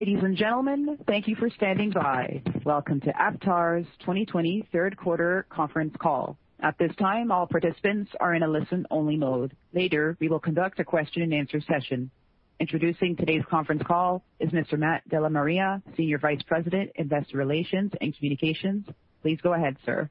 Ladies and gentlemen, thank you for standing by. Welcome to Aptar's 2020 third quarter conference call. At this time, all participants are in a listen-only mode. Later, we will conduct a question-and-answer session. Introducing today's conference call is Mr. Matt DellaMaria, Senior Vice President, Investor Relations and Communications. Please go ahead, sir.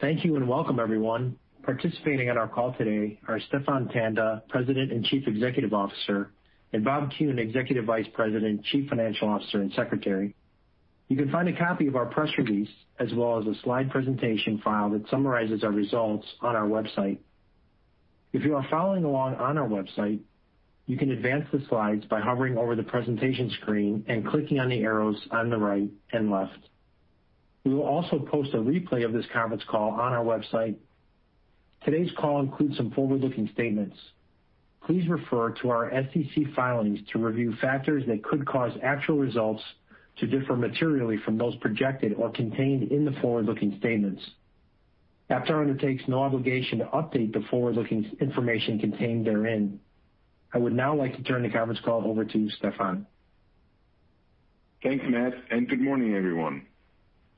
Thank you, and welcome everyone. Participating on our call today are Stephan Tanda, president and chief executive officer, and Bob Kuhn, executive vice president, chief financial officer, and secretary. You can find a copy of our press release, as well as a slide presentation file that summarizes our results on our website. If you are following along on our website, you can advance the slides by hovering over the presentation screen and clicking on the arrows on the right and left. We will also post a replay of this conference call on our website. Today's call includes some forward-looking statements. Please refer to our SEC filings to review factors that could cause actual results to differ materially from those projected or contained in the forward-looking statements. Aptar undertakes no obligation to update the forward-looking information contained therein. I would now like to turn the conference call over to Stephan. Thanks, Matt. Good morning, everyone.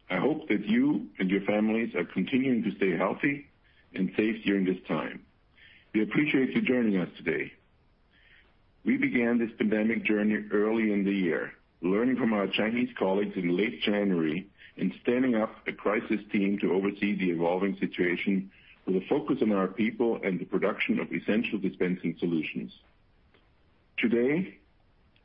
I hope that you and your families are continuing to stay healthy and safe during this time. We appreciate you joining us today. We began this pandemic journey early in the year, learning from our Chinese colleagues in late January and standing up a crisis team to oversee the evolving situation with a focus on our people and the production of essential dispensing solutions. Today,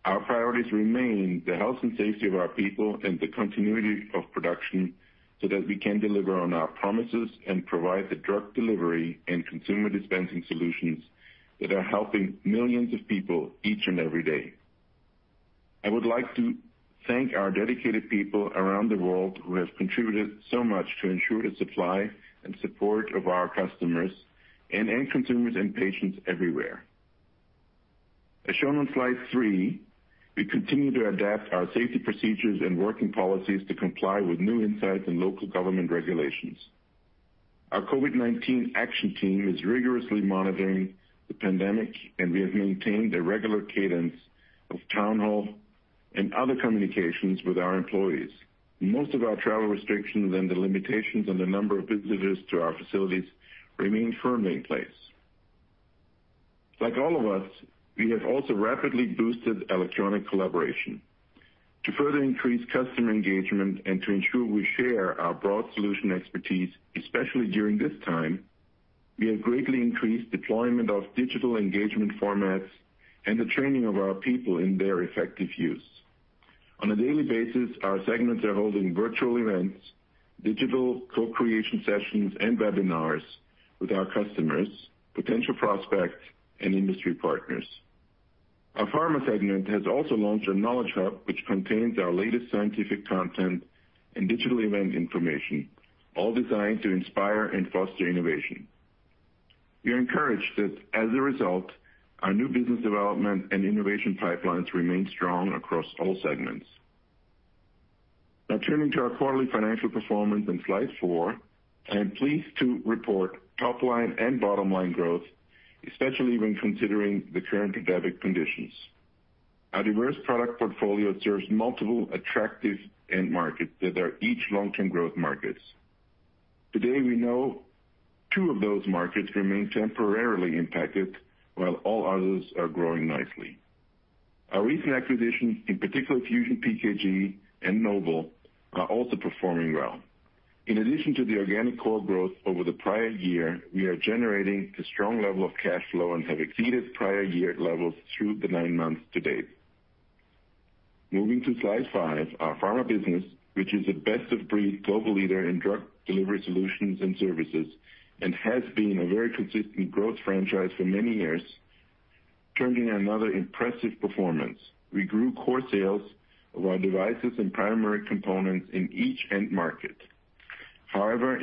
our priorities remain the health and safety of our people and the continuity of production so that we can deliver on our promises and provide the drug delivery and consumer dispensing solutions that are helping millions of people each and every day. I would like to thank our dedicated people around the world who have contributed so much to ensure the supply and support of our customers and end consumers and patients everywhere. As shown on slide three, we continue to adapt our safety procedures and working policies to comply with new insights and local government regulations. Our COVID-19 action team is rigorously monitoring the pandemic, and we have maintained a regular cadence of town hall and other communications with our employees. Most of our travel restrictions and the limitations on the number of visitors to our facilities remain firmly in place. Like all of us, we have also rapidly boosted electronic collaboration. To further increase customer engagement and to ensure we share our broad solution expertise, especially during this time, we have greatly increased deployment of digital engagement formats and the training of our people in their effective use. On a daily basis, our segments are holding virtual events, digital co-creation sessions, and webinars with our customers, potential prospects, and industry partners. Our Pharma segment has also launched a knowledge hub, which contains our latest scientific content and digital event information, all designed to inspire and foster innovation. We are encouraged that as a result, our new business development and innovation pipelines remain strong across all segments. Turning to our quarterly financial performance on slide four. I am pleased to report top-line and bottom-line growth, especially when considering the current pandemic conditions. Our diverse product portfolio serves multiple attractive end markets that are each long-term growth markets. Today, we know two of those markets remain temporarily impacted, while all others are growing nicely. Our recent acquisitions, in particular FusionPKG and Noble, are also performing well. In addition to the organic core growth over the prior year, we are generating a strong level of cash flow and have exceeded prior year levels through the nine months to date. Moving to slide five. Our pharma business, which is a best-of-breed global leader in drug delivery solutions and services and has been a very consistent growth franchise for many years, turned in another impressive performance. We grew core sales of our devices and primary components in each end market.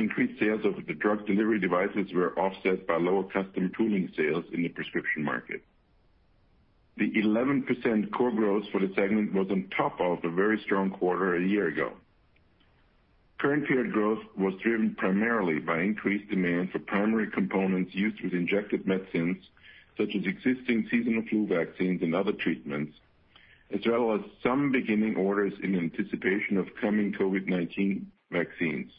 Increased sales of the drug delivery devices were offset by lower custom tooling sales in the prescription market. The 11% core growth for the segment was on top of a very strong quarter a year ago. Current period growth was driven primarily by increased demand for primary components used with injected medicines such as existing seasonal flu vaccines and other treatments, as well as some beginning orders in anticipation of coming COVID-19 vaccines.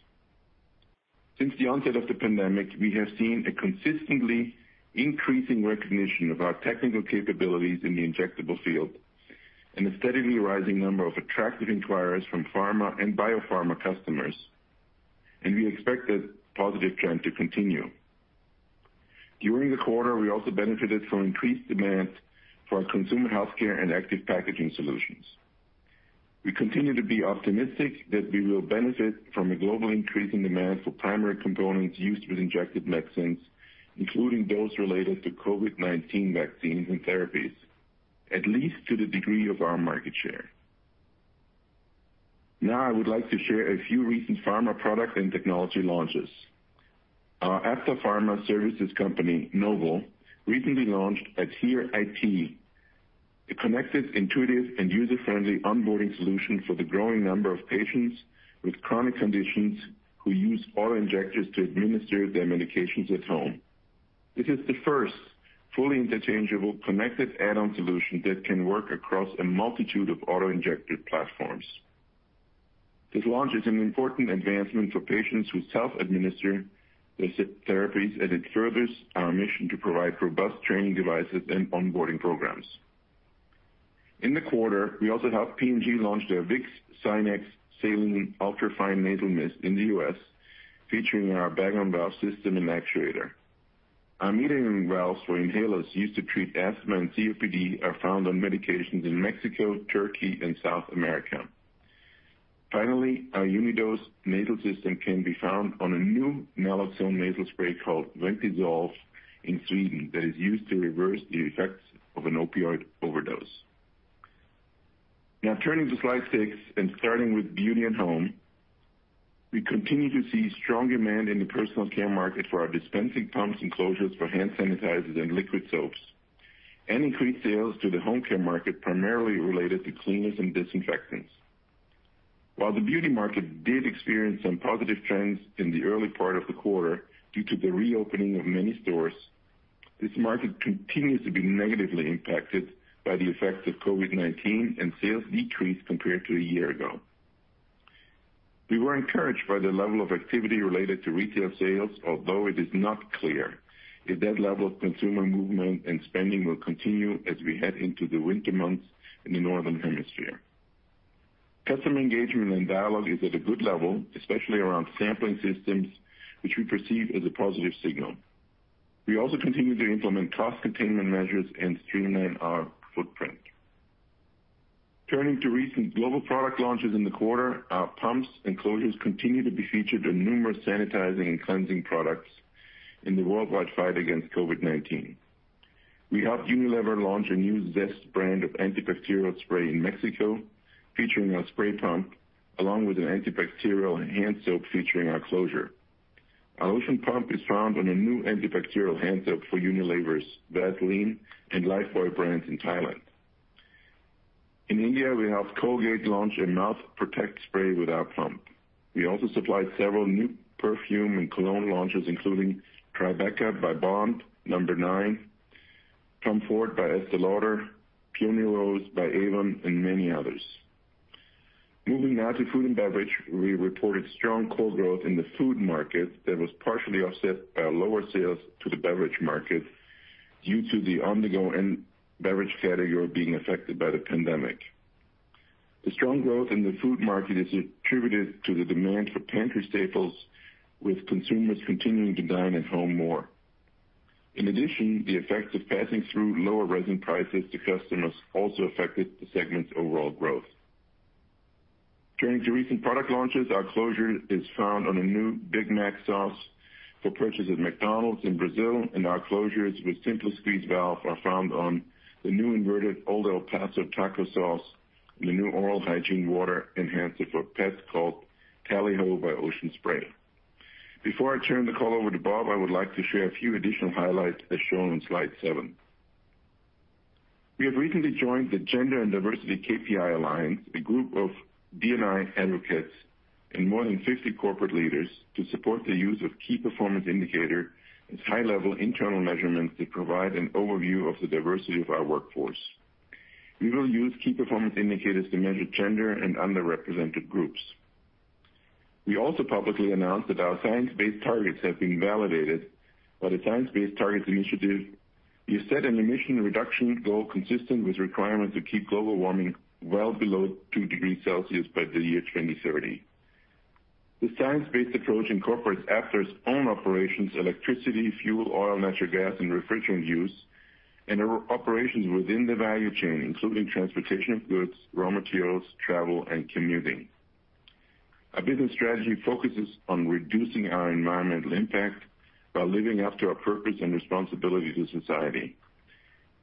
Since the onset of the pandemic, we have seen a consistently increasing recognition of our technical capabilities in the injectable field and a steadily rising number of attractive inquirers from pharma and biopharma customers, and we expect that positive trend to continue. During the quarter, we also benefited from increased demand for our consumer healthcare and active packaging solutions. We continue to be optimistic that we will benefit from a global increase in demand for primary components used with injected medicines, including those related to COVID-19 vaccines and therapies, at least to the degree of our market share. Now, I would like to share a few recent pharma product and technology launches. Our Aptar Pharma Services company, Noble, recently launched AdhereIT, a connected, intuitive, and user-friendly onboarding solution for the growing number of patients with chronic conditions who use auto-injectors to administer their medications at home. This is the first fully interchangeable connected add-on solution that can work across a multitude of auto-injector platforms. It furthers our mission to provide robust training devices and onboarding programs. In the quarter, we also helped P&G launch their Vicks Sinex Saline Ultra Fine Nasal Mist in the U.S., featuring our bag-on-valve system and actuator. Our metered valves for inhalers used to treat asthma and COPD are found on medications in Mexico, Turkey, and South America. Finally, our Unidose nasal system can be found on a new naloxone nasal spray called Ventizolve in Sweden that is used to reverse the effects of an opioid overdose. Turning to slide six and starting with beauty and home, we continue to see strong demand in the personal care market for our dispensing pumps and closures for hand sanitizers and liquid soaps, and increased sales to the home care market, primarily related to cleaners and disinfectants. The beauty market did experience some positive trends in the early part of the quarter due to the reopening of many stores, this market continues to be negatively impacted by the effects of COVID-19, and sales decreased compared to a year ago. We were encouraged by the level of activity related to retail sales, although it is not clear if that level of consumer movement and spending will continue as we head into the winter months in the Northern Hemisphere. Customer engagement and dialogue is at a good level, especially around sampling systems, which we perceive as a positive signal. We also continue to implement cost containment measures and streamline our footprint. Turning to recent global product launches in the quarter, our pumps and closures continue to be featured in numerous sanitizing and cleansing products in the worldwide fight against COVID-19. We helped Unilever launch a new Zest brand of antibacterial spray in Mexico, featuring our spray pump along with an antibacterial hand soap featuring our closure. Our lotion pump is found on a new antibacterial hand soap for Unilever's Vaseline and Lifebuoy brands in Thailand. In India, we helped Colgate launch a mouth protect spray with our pump. We also supplied several new perfume and cologne launches, including TriBeCa by Bond No. 9, TOM FORD by Estée Lauder, Peony Rosé by Avon, and many others. Moving now to food and beverage, we reported strong core growth in the food market that was partially offset by lower sales to the beverage market due to the ongoing beverage category being affected by the pandemic. The strong growth in the food market is attributed to the demand for pantry staples, with consumers continuing to dine at home more. In addition, the effects of passing through lower resin prices to customers also affected the segment's overall growth. Turning to recent product launches, our closure is found on a new Big Mac sauce for purchase at McDonald's in Brazil, and our closures with SimpliSqueeze valve are found on the new inverted Old El Paso taco sauce and the new oral hygiene water enhancer for pets called Tally Ho! by Ocean Spray. Before I turn the call over to Bob, I would like to share a few additional highlights as shown on slide seven. We have recently joined the Gender and Diversity KPI Alliance, a group of D&I advocates and more than 50 corporate leaders to support the use of key performance indicator as high-level internal measurements that provide an overview of the diversity of our workforce. We will use key performance indicators to measure gender and underrepresented groups. We also publicly announced that our science-based targets have been validated by the Science Based Targets initiative. We have set an emission reduction goal consistent with requirements to keep global warming well below two degrees Celsius by the year 2030. The science-based approach incorporates Aptar's own operations, electricity, fuel, oil, natural gas, and refrigerant use in our operations within the value chain, including transportation of goods, raw materials, travel, and commuting. Our business strategy focuses on reducing our environmental impact while living up to our purpose and responsibility to society.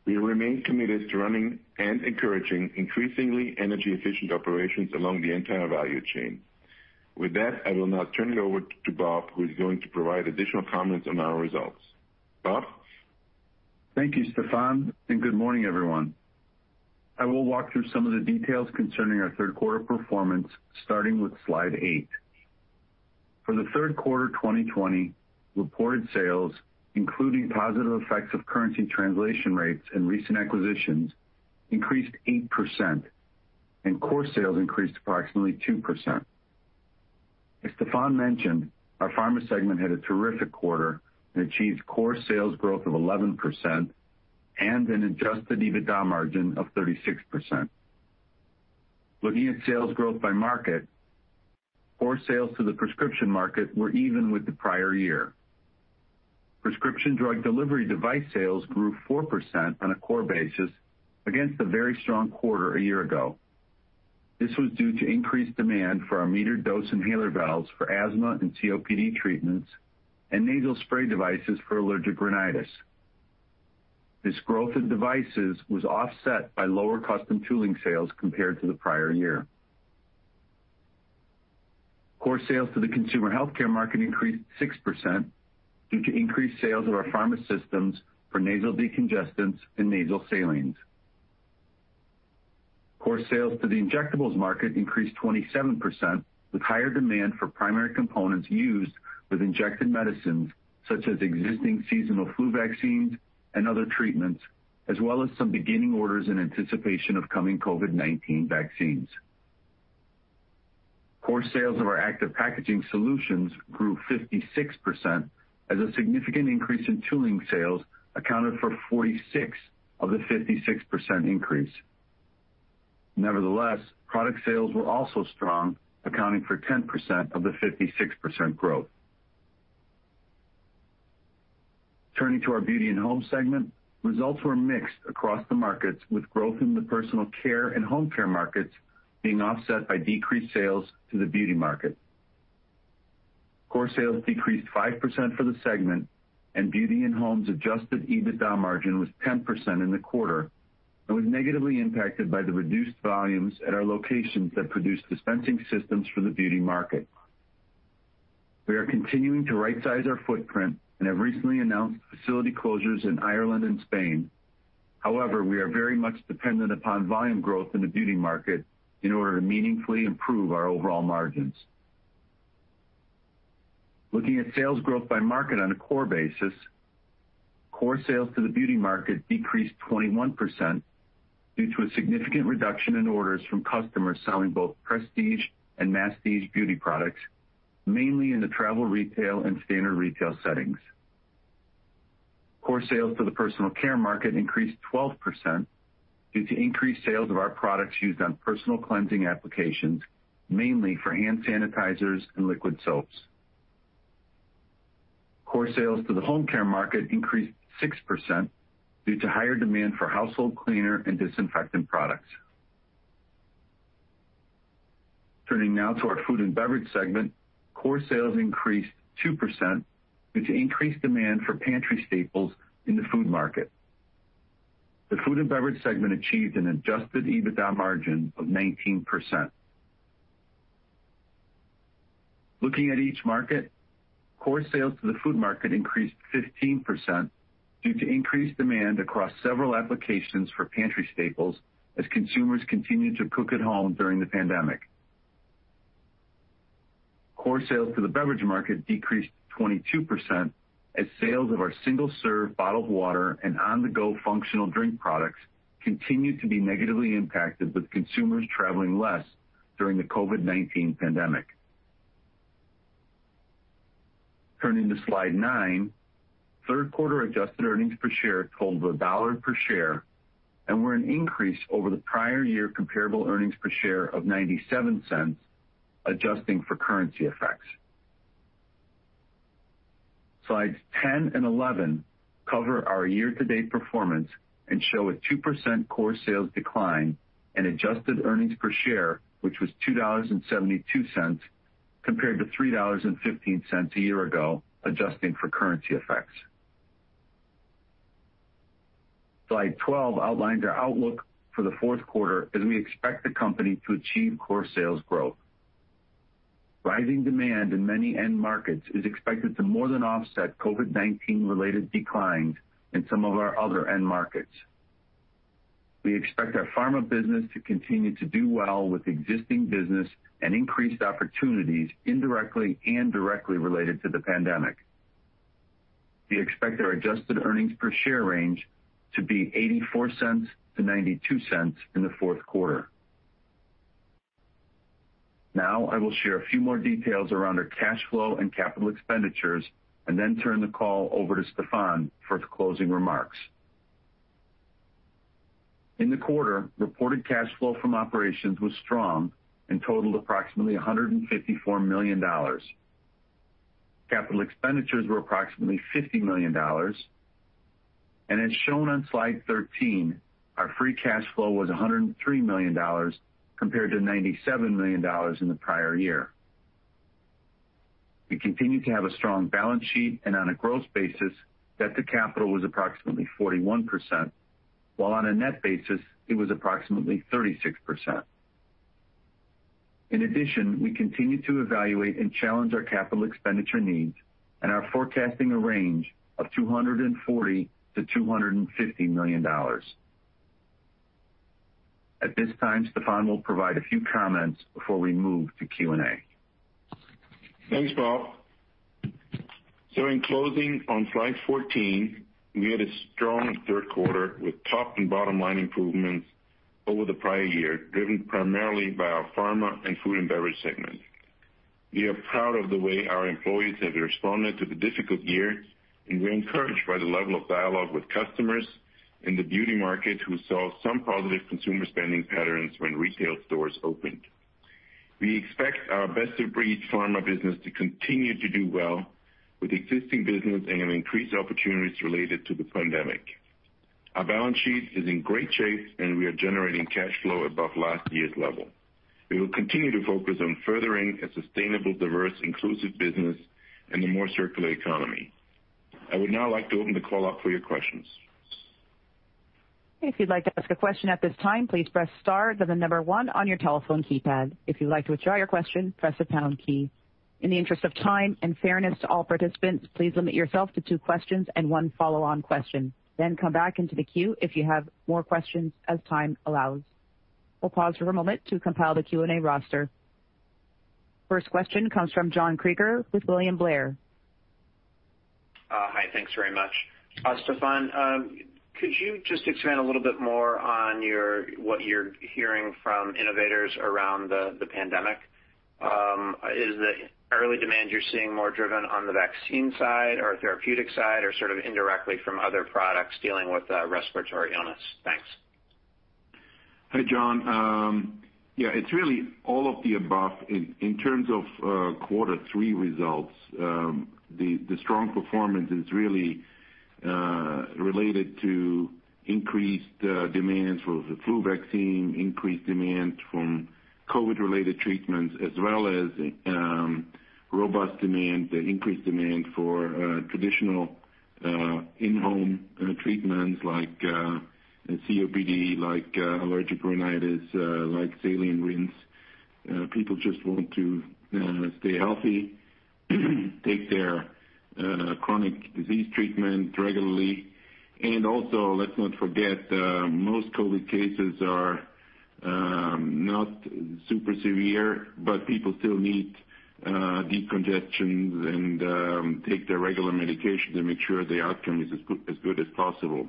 We remain committed to running and encouraging increasingly energy-efficient operations along the entire value chain. With that, I will now turn it over to Bob, who is going to provide additional comments on our results. Bob? Thank you, Stephan, and good morning, everyone. I will walk through some of the details concerning our third quarter performance, starting with slide eight. For the third quarter 2020, reported sales, including positive effects of currency translation rates and recent acquisitions, increased 8%, and core sales increased approximately 2%. As Stephan mentioned, our pharma segment had a terrific quarter and achieved core sales growth of 11% and an adjusted EBITDA margin of 36%. Looking at sales growth by market, core sales to the prescription market were even with the prior year. Prescription drug delivery device sales grew 4% on a core basis against a very strong quarter a year ago. This was due to increased demand for our metered-dose inhaler valves for asthma and COPD treatments and nasal spray devices for allergic rhinitis. This growth in devices was offset by lower custom tooling sales compared to the prior year. Core sales to the consumer healthcare market increased 6% due to increased sales of our pharma systems for nasal decongestants and nasal salines. Core sales to the injectables market increased 27%, with higher demand for primary components used with injected medicines such as existing seasonal flu vaccines and other treatments, as well as some beginning orders in anticipation of coming COVID-19 vaccines. Core sales of our active packaging solutions grew 56% as a significant increase in tooling sales accounted for 46% of the 56% increase. Nevertheless, product sales were also strong, accounting for 10% of the 56% growth. Turning to our beauty and home segment, results were mixed across the markets, with growth in the personal care and home care markets being offset by decreased sales to the beauty market. Core sales decreased 5% for the segment, and Beauty and Home's adjusted EBITDA margin was 10% in the quarter and was negatively impacted by the reduced volumes at our locations that produce dispensing systems for the beauty market. We are continuing to right-size our footprint and have recently announced facility closures in Ireland and Spain. However, we are very much dependent upon volume growth in the beauty market in order to meaningfully improve our overall margins. Looking at sales growth by market on a core basis, core sales to the beauty market decreased 21% due to a significant reduction in orders from customers selling both prestige and masstige beauty products, mainly in the travel retail and standard retail settings. Core sales to the personal care market increased 12% due to increased sales of our products used on personal cleansing applications, mainly for hand sanitizers and liquid soaps. Core sales to the home care market increased 6% due to higher demand for household cleaner and disinfectant products. Turning now to our Food and Beverage segment, core sales increased 2% due to increased demand for pantry staples in the food market. The Food and Beverage segment achieved an adjusted EBITDA margin of 19%. Looking at each market, core sales to the food market increased 15% due to increased demand across several applications for pantry staples as consumers continued to cook at home during the pandemic. Core sales to the beverage market decreased 22% as sales of our single-serve bottled water and on-the-go functional drink products continued to be negatively impacted with consumers traveling less during the COVID-19 pandemic. Turning to slide nine, third-quarter adjusted earnings per share totaled $1 per share and were an increase over the prior year comparable earnings per share of $0.97, adjusting for currency effects. Slides 10 and 11 cover our year-to-date performance and show a 2% core sales decline and adjusted earnings per share, which was $2.72 compared to $3.15 a year ago, adjusting for currency effects. Slide 12 outlines our outlook for the fourth quarter, as we expect the company to achieve core sales growth. Rising demand in many end markets is expected to more than offset COVID-19-related declines in some of our other end markets. We expect our pharma business to continue to do well with existing business and increased opportunities indirectly and directly related to the pandemic. We expect our adjusted earnings per share range to be $0.84-$0.92 in the fourth quarter. I will share a few more details around our cash flow and capital expenditures and then turn the call over to Stephan for the closing remarks. In the quarter, reported cash flow from operations was strong and totaled approximately $154 million. Capital expenditures were approximately $50 million, and as shown on Slide 13, our free cash flow was $103 million compared to $97 million in the prior year. We continue to have a strong balance sheet, and on a gross basis, debt to capital was approximately 41%, while on a net basis, it was approximately 36%. In addition, we continue to evaluate and challenge our capital expenditure needs and are forecasting a range of $240 million-$250 million. At this time, Stephan will provide a few comments before we move to Q&A. Thanks, Bob. In closing, on Slide 14, we had a strong third quarter with top and bottom-line improvements over the prior year, driven primarily by our pharma and food and beverage segments. We are proud of the way our employees have responded to the difficult year, and we're encouraged by the level of dialogue with customers in the beauty market who saw some positive consumer spending patterns when retail stores opened. We expect our best-of-breed pharma business to continue to do well with existing business and increased opportunities related to the pandemic. Our balance sheet is in great shape, and we are generating cash flow above last year's level. We will continue to focus on furthering a sustainable, diverse, inclusive business and a more circular economy. I would now like to open the call up for your questions. First question comes from John Kreger with William Blair. Hi, thanks very much. Stephan, could you just expand a little bit more on what you're hearing from innovators around the pandemic? Is the early demand you're seeing more driven on the vaccine side or therapeutic side, or sort of indirectly from other products dealing with respiratory illness? Thanks. Hi, John. Yeah, it's really all of the above. In terms of quarter three results, the strong performance is really related to increased demands for the flu vaccine, increased demand from COVID-related treatments, as well as robust demand, the increased demand for traditional in-home treatments like COPD, like allergic rhinitis, like saline rinse. People just want to stay healthy, take their chronic disease treatment regularly. Also, let's not forget, most COVID cases are not super severe, but people still need decongestants and take their regular medications to make sure the outcome is as good as possible.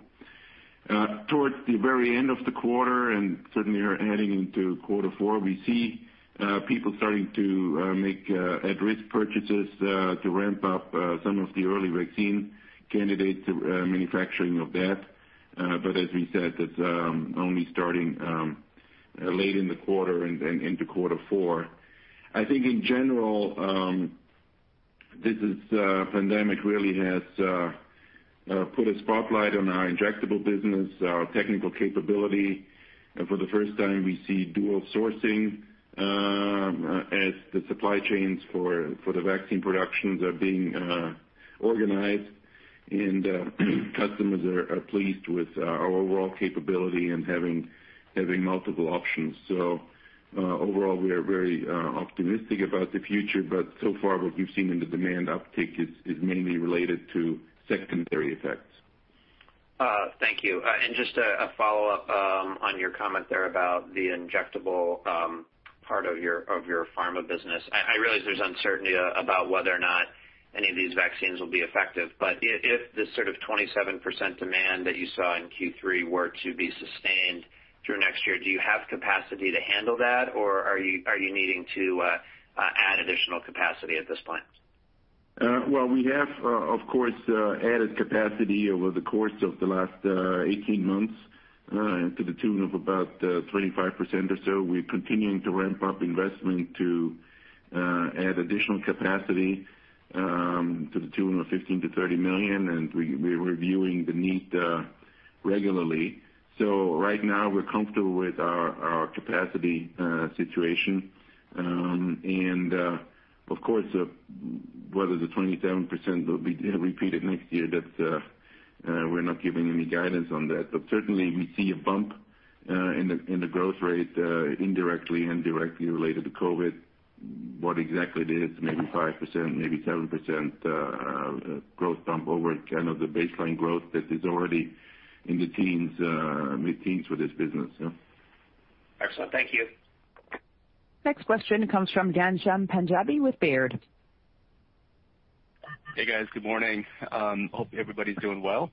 Towards the very end of the quarter and certainly are heading into quarter four, we see people starting to make at-risk purchases, to ramp up some of the early vaccine candidates, manufacturing of that. As we said, that's only starting late in the quarter and into quarter four. I think in general, this pandemic really has put a spotlight on our injectable business, our technical capability. For the first time, we see dual sourcing as the supply chains for the vaccine productions are being organized. Customers are pleased with our overall capability and having multiple options. Overall, we are very optimistic about the future. So far, what we've seen in the demand uptick is mainly related to secondary effects. Thank you. Just a follow-up on your comment there about the injectable part of your Pharma business. I realize there's uncertainty about whether or not any of these vaccines will be effective. But if this sort of 27% demand that you saw in Q3 were to be sustained through next year, do you have capacity to handle that, or are you needing to add additional capacity at this point? Well, we have, of course, added capacity over the course of the last 18 months to the tune of about 25% or so. We're continuing to ramp up investment to add additional capacity to the tune of $15 million-$30 million, and we're reviewing the need regularly. Right now, we're comfortable with our capacity situation. Of course, whether the 27% will be repeated next year, we're not giving any guidance on that. Certainly, we see a bump in the growth rate, indirectly and directly related to COVID. What exactly it is, maybe 5%-7% growth bump over kind of the baseline growth that is already in the mid-teens for this business. Yeah. Excellent. Thank you. Next question comes from Ghansham Panjabi with Baird. Hey, guys. Good morning. Hope everybody's doing well.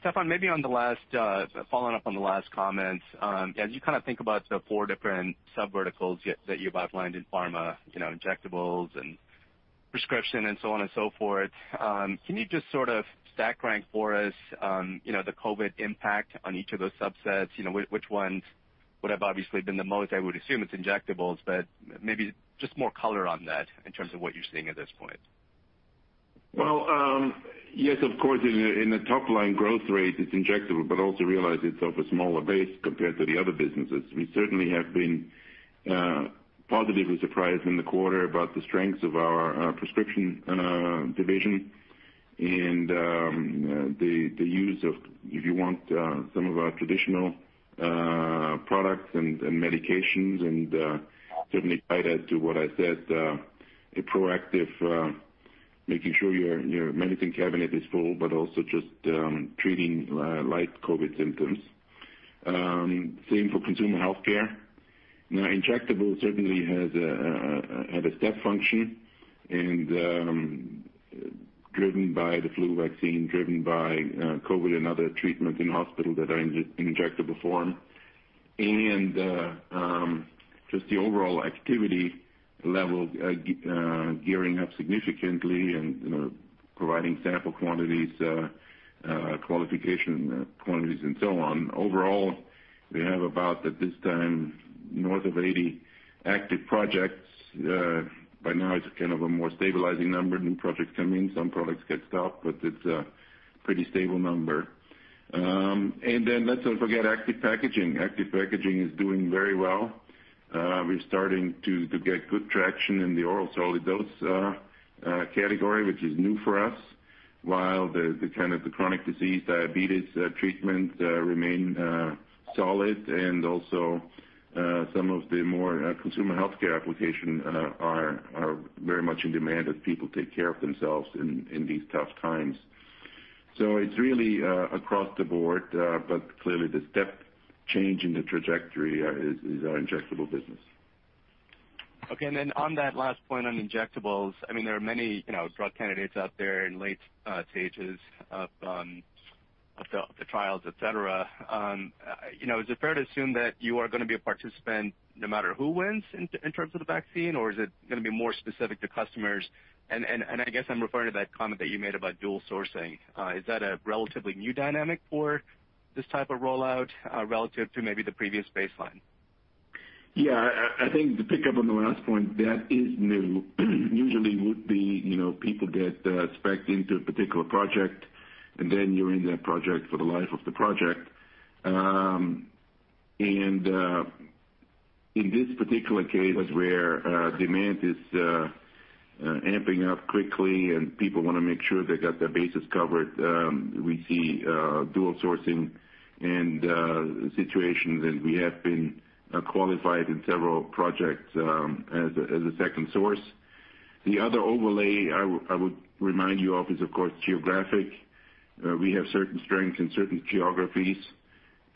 Stephan, maybe following up on the last comments, as you think about the four different subverticals that you've outlined in pharma, injectables and prescription and so on and so forth, can you just sort of stack rank for us the COVID-19 impact on each of those subsets? Which ones would have obviously been the most, I would assume it's injectables, but maybe just more color on that in terms of what you're seeing at this point. Well, yes, of course, in the top line growth rate, it's injectable, also realize it's of a smaller base compared to the other businesses. We certainly have been positively surprised in the quarter about the strengths of our prescription division and the use of, if you want, some of our traditional products and medications, certainly tied into what I said, a proactive making sure your medicine cabinet is full, also just treating light COVID symptoms. Same for consumer healthcare. Injectable certainly had a step function, driven by the flu vaccine, driven by COVID and other treatments in hospital that are in injectable form. Just the overall activity level gearing up significantly and providing sample quantities, qualification quantities, and so on. Overall, we have about, at this time, north of 80 active projects. By now it's kind of a more stabilizing number. New projects come in, some products get stopped, but it's a pretty stable number. Let's not forget active packaging. Active packaging is doing very well. We're starting to get good traction in the oral solid dose category, which is new for us, while the chronic disease, diabetes treatment remain solid and also some of the more consumer healthcare application are very much in demand as people take care of themselves in these tough times. It's really across the board, but clearly the step change in the trajectory is our injectable business. Okay. On that last point on injectables, there are many drug candidates out there in late stages of the trials, et cetera. Is it fair to assume that you are going to be a participant no matter who wins in terms of the vaccine, or is it going to be more specific to customers? I guess I'm referring to that comment that you made about dual sourcing. Is that a relatively new dynamic for this type of rollout relative to maybe the previous baseline? Yeah, I think to pick up on the last point, that is new. Usually would be, people get spec'd into a particular project, and then you're in that project for the life of the project. In this particular case where demand is amping up quickly and people want to make sure they got their bases covered, we see dual sourcing and situations, and we have been qualified in several projects as a second source. The other overlay I would remind you of is, of course, geographic. We have certain strengths in certain geographies.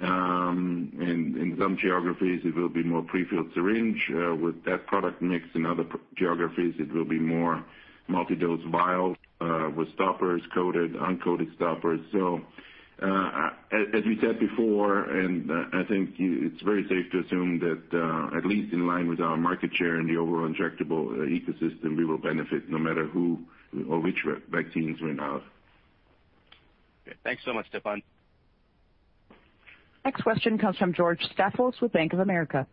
In some geographies, it will be more prefilled syringe with that product mix. In other geographies, it will be more multi-dose vials with stoppers, coated, uncoated stoppers. As we said before, and I think it's very safe to assume that, at least in line with our market share in the overall injectable ecosystem, we will benefit no matter who or which vaccines win out. Okay. Thanks so much, Stephan. Next question comes from George Staphos with Bank of America.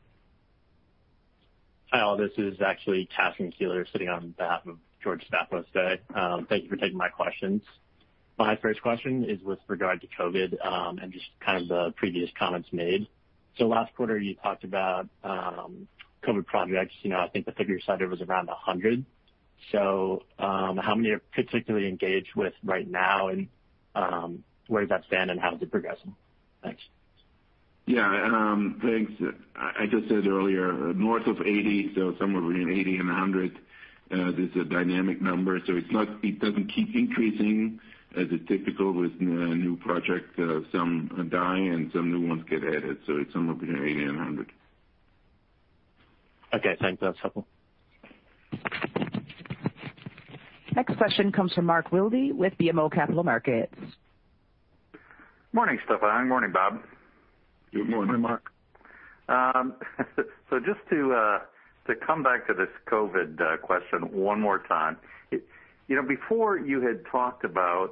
Hi, all. This is actually Cashen Keeler sitting on behalf of George Staphos today. Thank you for taking my questions. My first question is with regard to COVID, and just the previous comments made. Last quarter, you talked about COVID projects. I think the figure you cited was around 100. How many are particularly engaged with right now and where does that stand and how is it progressing? Thanks. Yeah. Thanks. I just said earlier, north of 80, so somewhere between 80 and 100. This is a dynamic number, so it doesn't keep increasing as is typical with new project. Some die and some new ones get added, so it's somewhere between 80 and 100. Okay, thanks. That's helpful. Next question comes from Mark Wilde with BMO Capital Markets. Morning, Stephan. Morning, Bob. Good morning, Mark. Just to come back to this COVID question one more time. Before you had talked about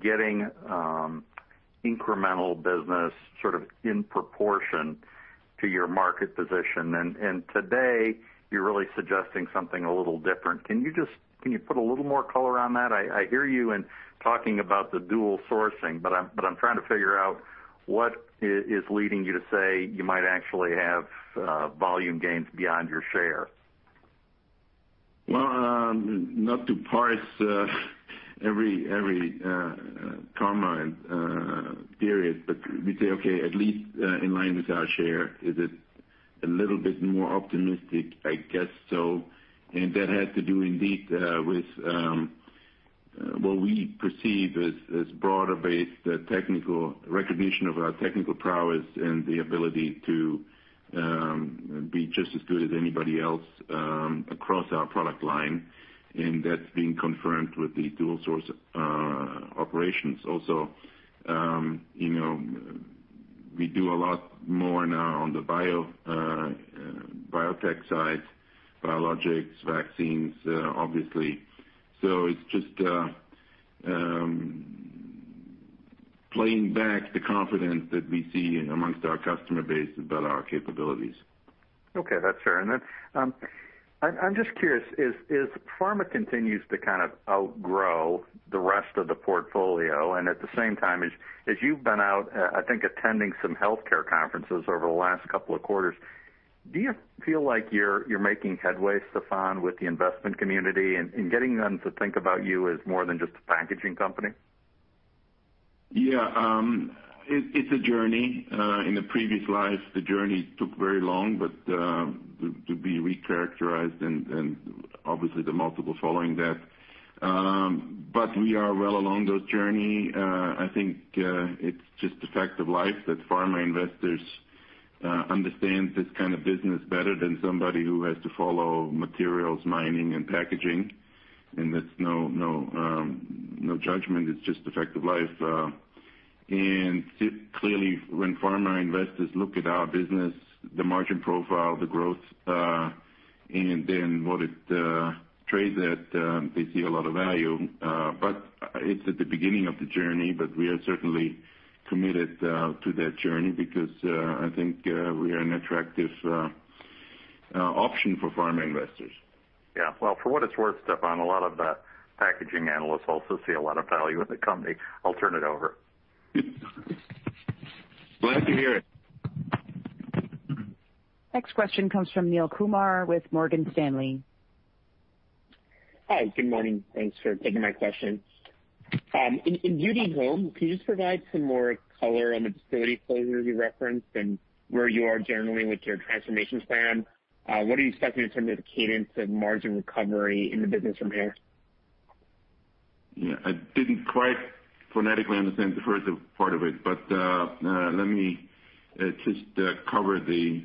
getting incremental business sort of in proportion to your market position. Today you're really suggesting something a little different. Can you put a little more color on that? I hear you in talking about the dual sourcing, but I'm trying to figure out what is leading you to say you might actually have volume gains beyond your share. Well, not to parse every comma and period, we say, okay, at least in line with our share. Is it a little bit more optimistic? I guess so. That has to do indeed with what we perceive as broader-based recognition of our technical prowess and the ability to be just as good as anybody else across our product line, and that's being confirmed with the dual source operations also. We do a lot more now on the biotech side, biologics, vaccines, obviously. It's just playing back the confidence that we see in amongst our customer base about our capabilities. Okay. That's fair. I'm just curious, as pharma continues to kind of outgrow the rest of the portfolio, and at the same time, as you've been out, I think, attending some healthcare conferences over the last couple of quarters, do you feel like you're making headway, Stephan, with the investment community and getting them to think about you as more than just a packaging company? Yeah. It's a journey. In the previous life, the journey took very long, to be recharacterized and obviously the multiple following that. We are well along those journey. I think it's just a fact of life that pharma investors understand this kind of business better than somebody who has to follow materials mining and packaging, and that's no judgment. It's just a fact of life. Clearly when pharma investors look at our business, the margin profile, the growth, and then what it trades at, they see a lot of value. It's at the beginning of the journey, but we are certainly committed to that journey because I think we are an attractive option for pharma investors. Yeah. Well, for what it's worth, Stephan, a lot of the packaging analysts also see a lot of value in the company. I'll turn it over. Glad to hear it. Next question comes from Neel Kumar with Morgan Stanley. Hi, good morning. Thanks for taking my question. In Beauty and Home, can you just provide some more color on the facility closures you referenced and where you are generally with your transformation plan? What are you expecting in terms of the cadence of margin recovery in the business from here? Yeah, I didn't quite phonetically understand the first part of it, but let me just cover the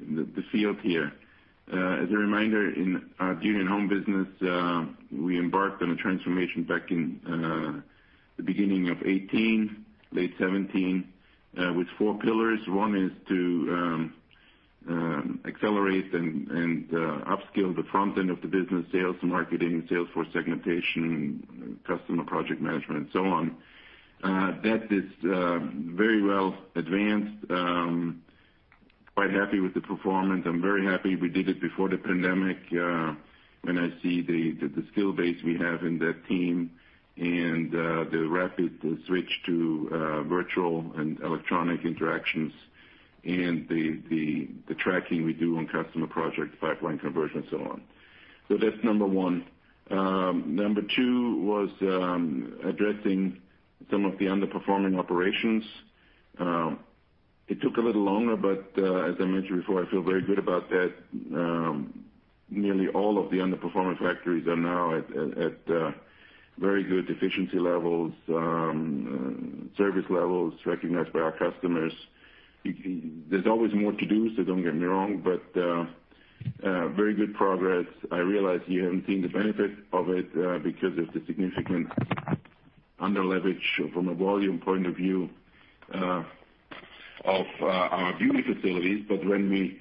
field here. As a reminder, in our Beauty and Home business, we embarked on a transformation back in the beginning of 2018, late 2017, with four pillars. One is to accelerate and upskill the front end of the business, sales and marketing, sales force segmentation, customer project management, and so on. That is very well advanced. Quite happy with the performance. I'm very happy we did it before the pandemic, when I see the skill base we have in that team and the rapid switch to virtual and electronic interactions and the tracking we do on customer projects, pipeline conversion, and so on. That's number one. Number two was addressing some of the underperforming operations. It took a little longer, but as I mentioned before, I feel very good about that. Nearly all of the underperforming factories are now at very good efficiency levels, service levels recognized by our customers. There's always more to do, so don't get me wrong, but very good progress. I realize you haven't seen the benefit of it because of the significant under-leverage from a volume point of view of our beauty facilities. When we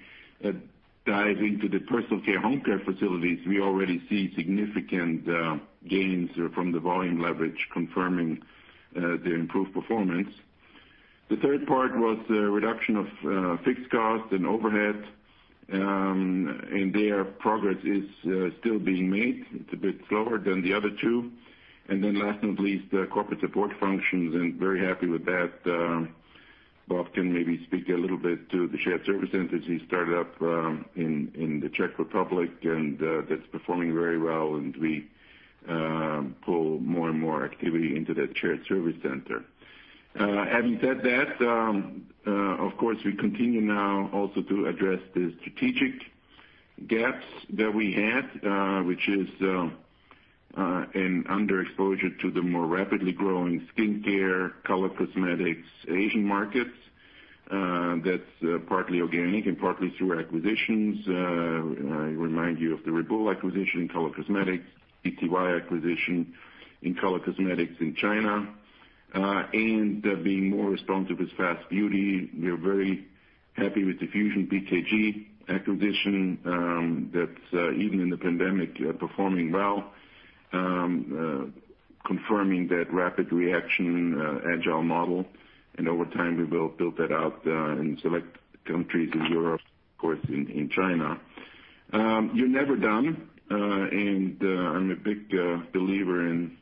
dive into the personal care home care facilities, we already see significant gains from the volume leverage confirming the improved performance. The third part was the reduction of fixed costs and overhead, and their progress is still being made. It's a bit slower than the other two. Last not least, the corporate support functions. I'm very happy with that. Bob can maybe speak a little bit to the shared service entity he started up in the Czech Republic. That's performing very well, we pull more and more activity into that shared service center. Having said that, of course, we continue now also to address the strategic gaps that we had, which is an underexposure to the more rapidly growing skincare, color cosmetics, Asian markets. That's partly organic and partly through acquisitions. I remind you of the Reboul acquisition in color cosmetics, BTY acquisition in color cosmetics in China. Being more responsive as fast beauty. We are very happy with the FusionPKG acquisition that's, even in the pandemic, performing well, confirming that rapid reaction agile model. Over time, we will build that out in select countries in Europe, of course, in China. You're never done, and I'm a big believer in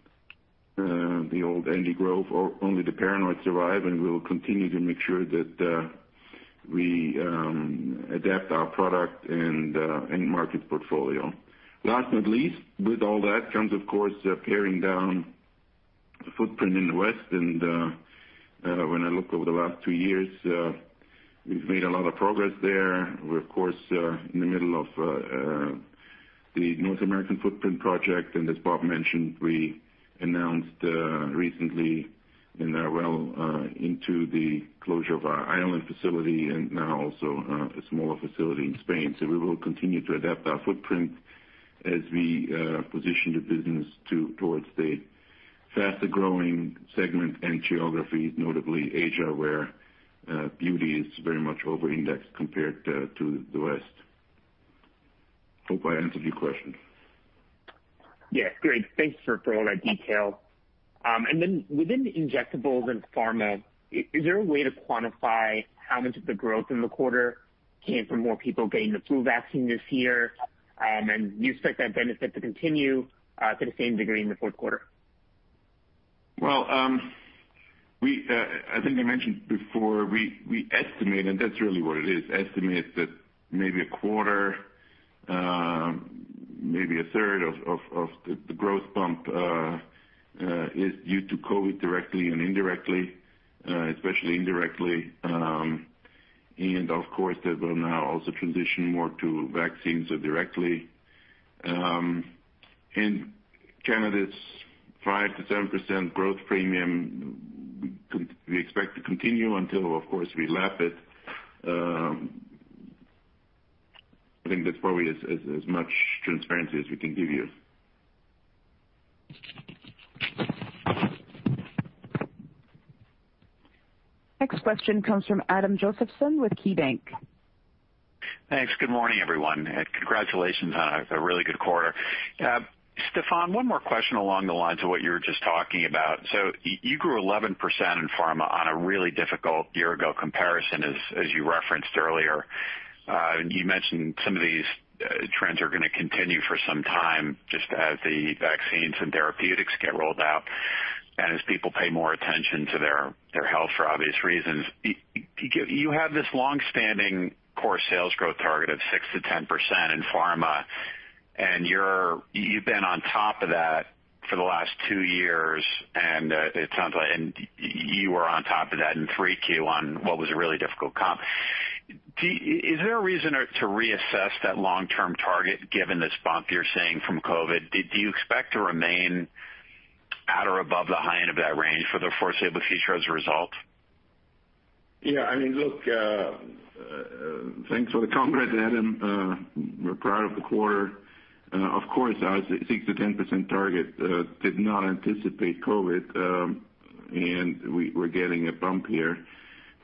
the old Andy Grove, "Only the paranoid survive," and we will continue to make sure that we adapt our product and end market portfolio. Last not least, with all that comes, of course, paring down the footprint in the West, and when I look over the last two years, we've made a lot of progress there. We're, of course, in the middle of the North American footprint project, and as Bob mentioned, we announced recently and are well into the closure of our Ireland facility and now also a smaller facility in Spain. We will continue to adapt our footprint as we position the business towards the faster-growing segment and geographies, notably Asia, where beauty is very much over-indexed compared to the West. Hope I answered your question. Yeah. Great. Thanks for all that detail. Within injectables and pharma, is there a way to quantify how much of the growth in the quarter came from more people getting the flu vaccine this year? You expect that benefit to continue to the same degree in the fourth quarter? Well, I think I mentioned before, we estimate, and that's really what it is, estimate that maybe a quarter, maybe a third of the growth bump is due to COVID directly and indirectly, especially indirectly. Of course, that will now also transition more to vaccines directly. In Canada, it's 5%-7% growth premium we expect to continue until, of course, we lap it. I think that's probably as much transparency as we can give you. Next question comes from Adam Josephson with KeyBanc. Thanks. Good morning, everyone, and congratulations on a really good quarter. Stephan, one more question along the lines of what you were just talking about. You grew 11% in pharma on a really difficult year-ago comparison, as you referenced earlier. You mentioned some of these trends are going to continue for some time just as the vaccines and therapeutics get rolled out. As people pay more attention to their health, for obvious reasons. You have this longstanding core sales growth target of 6%-10% in pharma, and you've been on top of that for the last two years, and it sounds like you were on top of that in 3Q on what was a really difficult comp. Is there a reason to reassess that long-term target given this bump you're seeing from COVID-19? Do you expect to remain at or above the high end of that range for the foreseeable future as a result? Thanks for the congrats, Adam. We're proud of the quarter. Of course, our 6%-10% target did not anticipate COVID, and we're getting a bump here.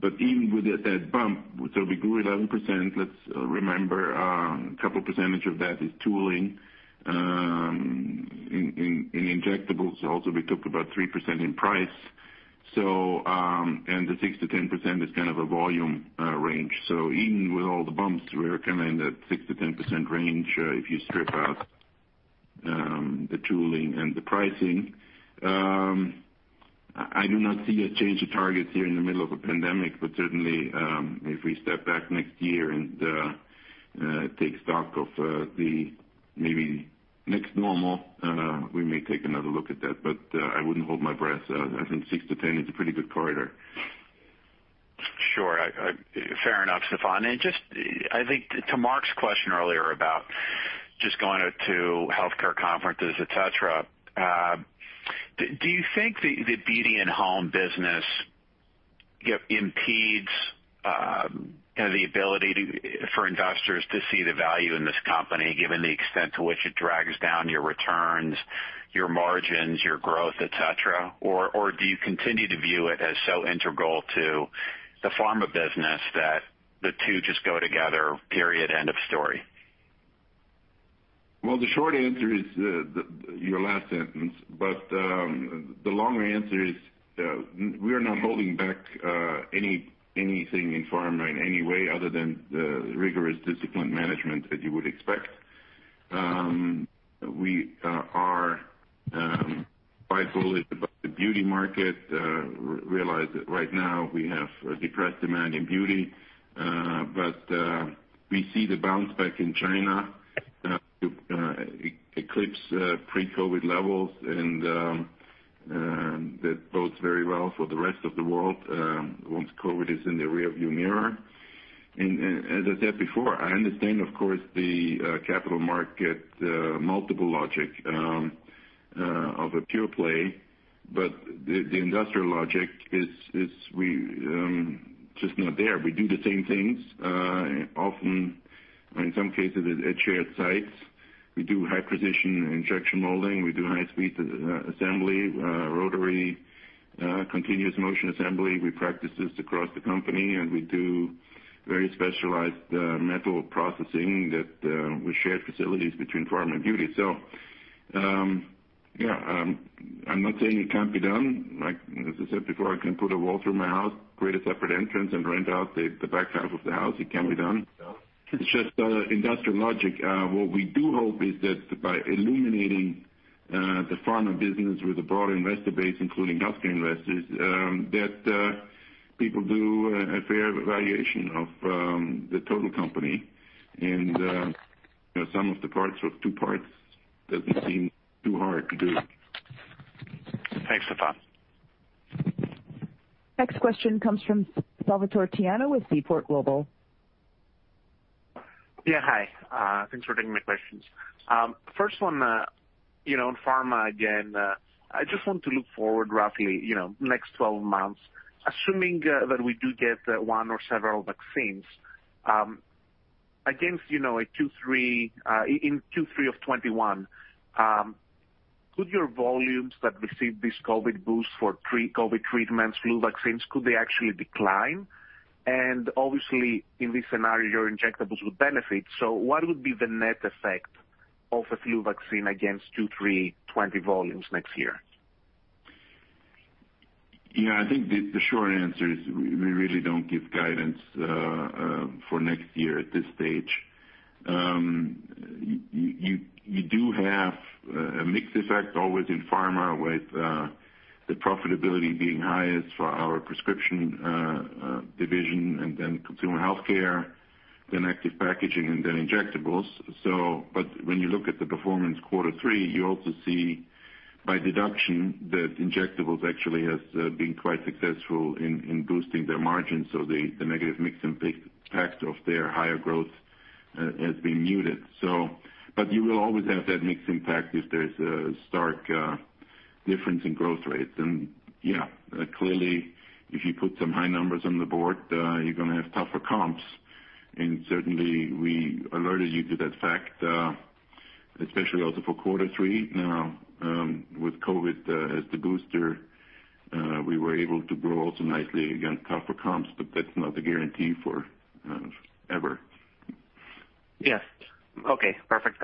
Even with that bump, so we grew 11%, let's remember, a couple percentage of that is tooling. In injectables, also, we took about 3% in price. The 6%-10% is kind of a volume range. Even with all the bumps, we're kind of in that 6%-10% range, if you strip out the tooling and the pricing. I do not see a change of targets here in the middle of a pandemic, but certainly, if we step back next year and take stock of the maybe next normal, we may take another look at that. I wouldn't hold my breath. I think 6%-10% is a pretty good corridor. Sure. Fair enough, Stephan. I think to Mark's question earlier about just going to healthcare conferences, et cetera, do you think the beauty and home business impedes the ability for investors to see the value in this company, given the extent to which it drags down your returns, your margins, your growth, et cetera? Do you continue to view it as so integral to the pharma business that the two just go together, period, end of story? The short answer is your last sentence, but the longer answer is we are not holding back anything in pharma in any way other than the rigorous discipline management that you would expect. We are bullish about the beauty market. Realize that right now we have a depressed demand in beauty. We see the bounce back in China eclipse pre-COVID levels, and that bodes very well for the rest of the world once COVID is in the rearview mirror. As I said before, I understand, of course, the capital market multiple logic of a pure play, but the industrial logic is just not there. We do the same things, often, in some cases, at shared sites. We do high-precision injection molding. We do high-speed assembly, rotary continuous motion assembly. We practice this across the company, and we do very specialized metal processing with shared facilities between pharma and beauty. I'm not saying it can't be done. As I said before, I can put a wall through my house, create a separate entrance, and rent out the back half of the house. It can be done. It's just industrial logic. What we do hope is that by illuminating the pharma business with a broader investor base, including healthcare investors, that people do a fair valuation of the total company and the sum of the parts of two parts doesn't seem too hard to do. Thanks, Stephan. Next question comes from Salvator Tiano with Seaport Global. Yeah, hi. Thanks for taking my questions. First one, on pharma again. I just want to look forward roughly next 12 months, assuming that we do get one or several vaccines. In Q3 of 2021, could your volumes that receive this COVID boost for COVID treatments, flu vaccines, could they actually decline? Obviously, in this scenario, your injectables would benefit. What would be the net effect of a flu vaccine against Q3 2020 volumes next year? Yeah, I think the short answer is we really don't give guidance for next year at this stage. You do have a mixed effect always in Pharma with the profitability being highest for our prescription division and then consumer healthcare, then active packaging, and then injectables. When you look at the performance quarter three, you also see by deduction that injectables actually has been quite successful in boosting their margins. The negative mix and impact of their higher growth has been muted. You will always have that mixed impact if there's a stark difference in growth rates. Yeah, clearly, if you put some high numbers on the board, you're going to have tougher comps. Certainly, we alerted you to that fact, especially also for quarter three. With COVID as the booster, we were able to grow also nicely against tougher comps, but that's not a guarantee for ever. Yes. Okay, perfect.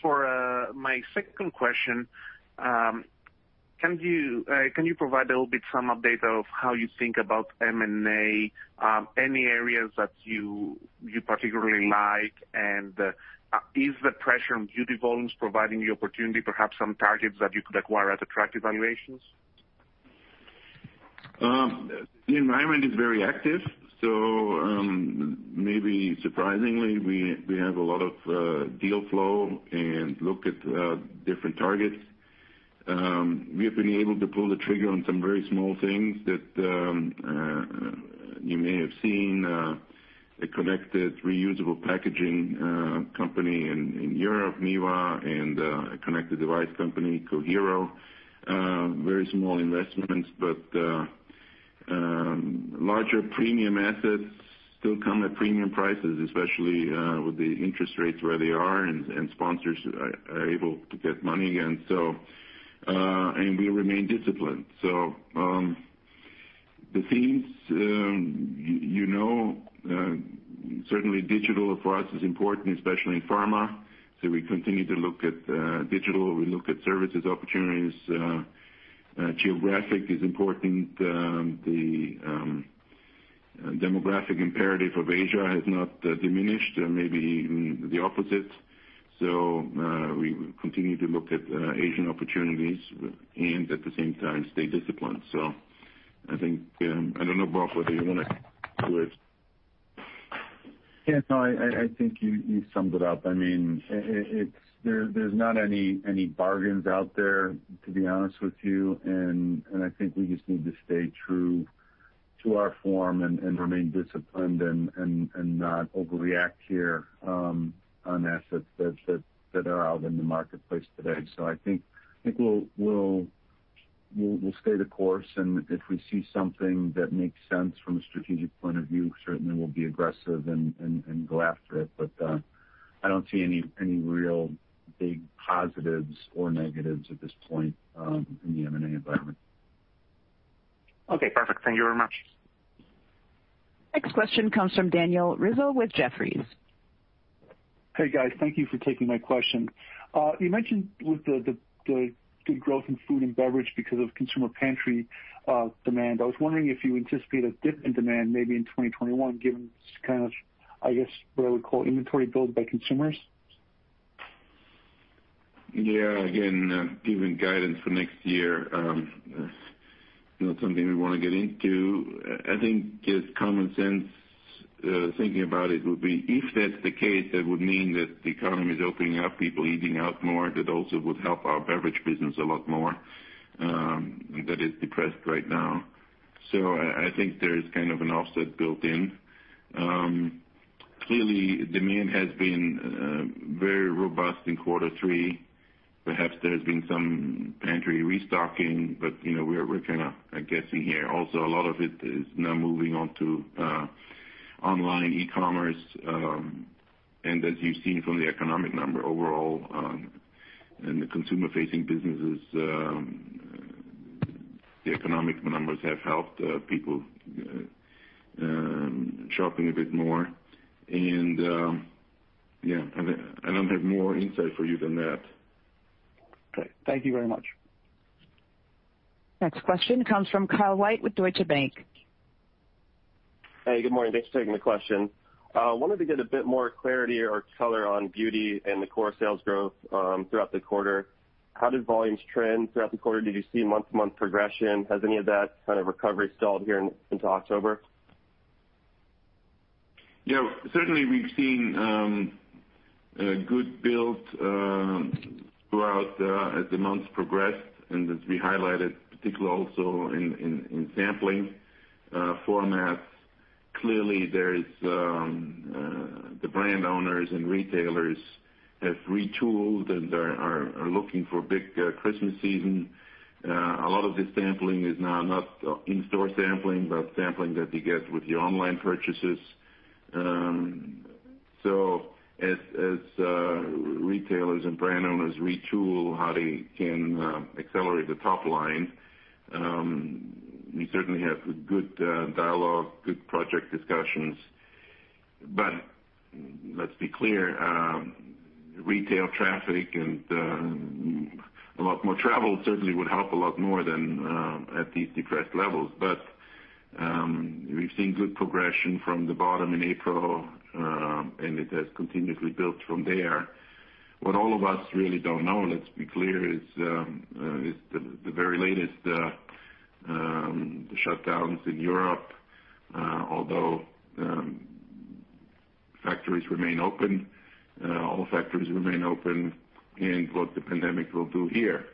For my second question, can you provide a little bit some update of how you think about M&A? Any areas that you particularly like? Is the pressure on beauty volumes providing the opportunity, perhaps some targets that you could acquire at attractive valuations? The environment is very active. Maybe surprisingly, we have a lot of deal flow and look at different targets. We have been able to pull the trigger on some very small things that you may have seen, a connected reusable packaging company in Europe, MIWA, and a connected device company, Cohero. Very small investments, but larger premium assets still come at premium prices, especially with the interest rates where they are and sponsors are able to get money again. We remain disciplined. The themes, you know certainly Digital for us is important, especially in Pharma. We continue to look at Digital, we look at services opportunities. Geographic is important. The demographic imperative of Asia has not diminished, maybe even the opposite. We continue to look at Asian opportunities and at the same time stay disciplined. I think, I don't know, Bob, whether you want to do it. Yeah. No, I think you summed it up. There's not any bargains out there, to be honest with you, and I think we just need to stay true to our form and remain disciplined and not overreact here on assets that are out in the marketplace today. I think we'll stay the course, and if we see something that makes sense from a strategic point of view, certainly we'll be aggressive and go after it. I don't see any real big positives or negatives at this point, in the M&A environment. Okay, perfect. Thank you very much. Next question comes from Daniel Rizzo with Jefferies. Hey, guys. Thank you for taking my question. You mentioned with the good growth in food and beverage because of consumer pantry demand. I was wondering if you anticipate a dip in demand maybe in 2021, given this, I guess, what I would call inventory build by consumers. Yeah. Again, giving guidance for next year, not something we want to get into. I think just common sense, thinking about it would be, if that's the case, that would mean that the economy is opening up, people eating out more. That also would help our beverage business a lot more, that is depressed right now. I think there is kind of an offset built in. Clearly, demand has been very robust in quarter three. Perhaps there has been some pantry restocking, but we're kind of guessing here. Also, a lot of it is now moving on to online e-commerce. As you've seen from the economic number overall, in the consumer-facing businesses, the economic numbers have helped people shopping a bit more. Yeah, I don't have more insight for you than that. Okay. Thank you very much. Next question comes from Kyle White with Deutsche Bank. Hey, good morning. Thanks for taking the question. Wanted to get a bit more clarity or color on beauty and the core sales growth throughout the quarter. How did volumes trend throughout the quarter? Did you see month-to-month progression? Has any of that kind of recovery stalled here into October? Certainly, we've seen good build throughout as the months progressed, and as we highlighted, particularly also in sampling formats. The brand owners and retailers have retooled and are looking for big Christmas season. A lot of the sampling is now not in-store sampling, but sampling that you get with your online purchases. As retailers and brand owners retool how they can accelerate the top line, we certainly have good dialogue, good project discussions. Let's be clear, retail traffic and a lot more travel certainly would help a lot more than at these depressed levels. We've seen good progression from the bottom in April, and it has continuously built from there. What all of us really don't know, let's be clear, is the very latest shutdowns in Europe, although factories remain open. All factories remain open and what the pandemic will do here.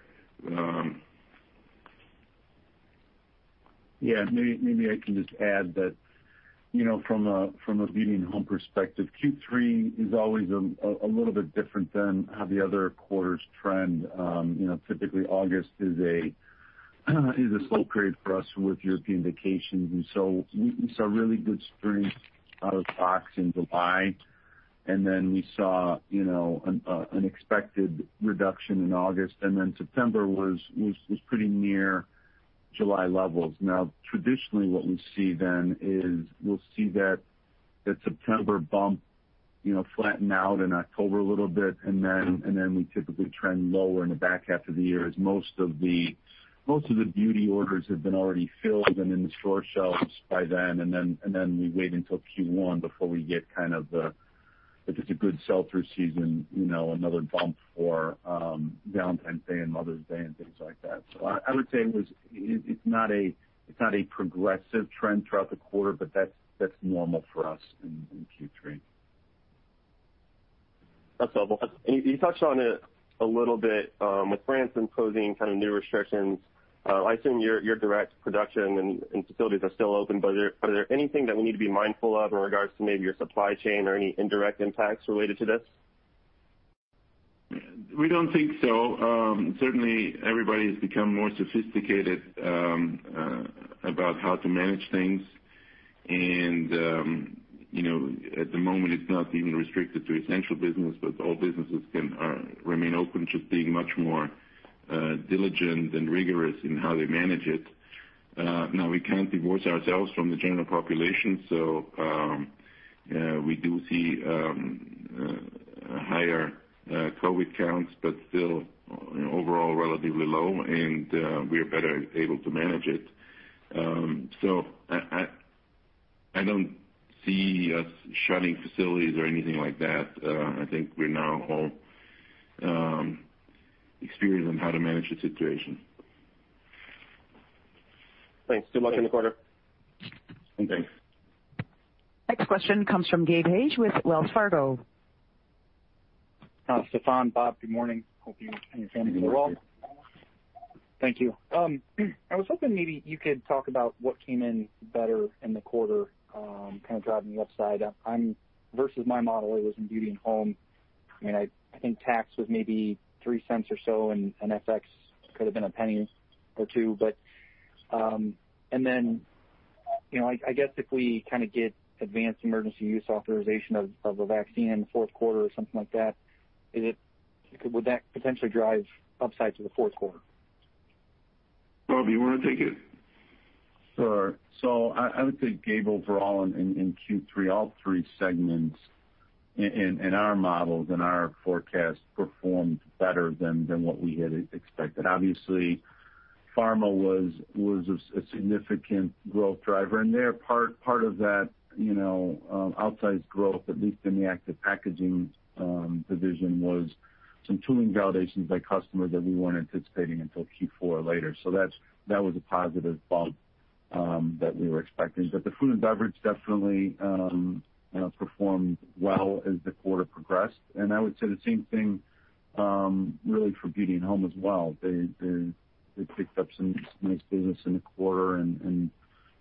Yeah, maybe I can just add that from a beauty and home perspective, Q3 is always a little bit different than how the other quarters trend. Typically, August is a slow period for us with European vacations, and so we saw really good strength out of the box in July. Then we saw an expected reduction in August, and then September was pretty near July levels. Now, traditionally, what we see then is we'll see that September bump flatten out in October a little bit, and then we typically trend lower in the back half of the year as most of the beauty orders have been already filled and in the store shelves by then, and then we wait until Q1 before we get kind of the. If it's a good sell-through season, another bump for Valentine's Day and Mother's Day and things like that. I would say it's not a progressive trend throughout the quarter, but that's normal for us in Q3. That's helpful. You touched on it a little bit, with France imposing new restrictions. I assume your direct production and facilities are still open, but are there anything that we need to be mindful of in regards to maybe your supply chain or any indirect impacts related to this? We don't think so. Certainly, everybody's become more sophisticated about how to manage things. At the moment, it's not even restricted to essential business, but all businesses can remain open to being much more diligent and rigorous in how they manage it. Now, we can't divorce ourselves from the general population, we do see higher COVID counts, but still overall, relatively low, and we are better able to manage it. I don't see us shutting facilities or anything like that. I think we now all experienced on how to manage the situation. Thanks. Good luck in the quarter. Thanks. Next question comes from Gabe Hajde with Wells Fargo. Hi, Stephan, Bob. Good morning. Hope you and your family are well. Good morning. Thank you. I was hoping maybe you could talk about what came in better in the quarter, driving the upside. Versus my model, it was in beauty and home. I think tax was maybe $0.03 or so, FX could have been $0.01 or $0.02. I guess if we get advanced emergency use authorization of a vaccine in the fourth quarter or something like that, would that potentially drive upside to the fourth quarter? Bob, you want to take it? Sure. I would say, Gabe, overall in Q3, all three segments in our models, in our forecast, performed better than what we had expected. Obviously, pharma was a significant growth driver. Part of that outsized growth, at least in the active packaging division, was some tooling validations by customers that we weren't anticipating until Q4 or later. That was a positive bump that we were expecting. The food and beverage definitely performed well as the quarter progressed. I would say the same thing really for beauty and home as well. They picked up some nice business in the quarter, and